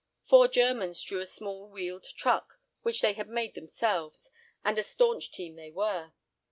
Four Germans drew a small wheeled truck, which they had made themselves, and a staunch team they were.